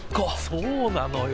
そうなのよ。